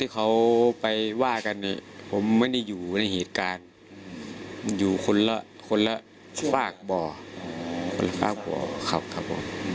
ขัดคลิป